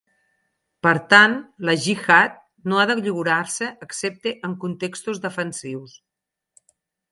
Per tant, la jihad no ha de lliurar-se excepte en contextos defensius.